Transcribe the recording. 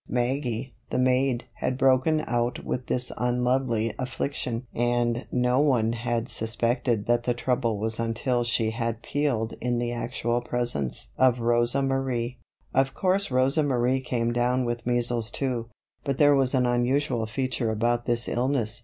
Maggie, the maid, had broken out with this unlovely affliction and no one had suspected what the trouble was until she had peeled in the actual presence of Rosa Marie. Of course Rosa Marie came down with measles too. But there was an unusual feature about this illness.